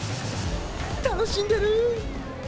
楽しんでる！